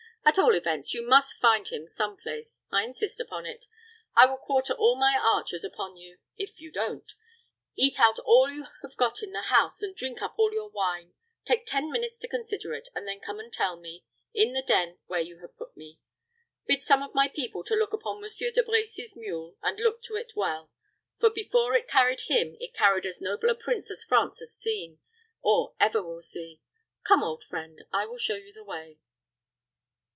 At all events, you must find him some place; I insist upon it. I will quarter all my archers upon you, if you don't; eat out all you have got in the house, and drink up all your wine. Take ten minutes to consider of it, and then come and tell me, in the den where you have put me. Bid some of my people look to Monsieur De Brecy's mule, and look to it well; for, before it carried him, it carried as noble a prince as France has seen, or ever will see. Come, old friend, I will show you the way."